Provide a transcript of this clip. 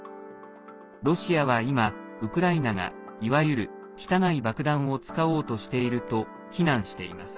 ロシアは今、ウクライナがいわゆる汚い爆弾を使おうとしていると非難しています。